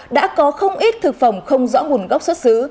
đã có không ít thực phẩm không rõ nguồn gốc xuất xứ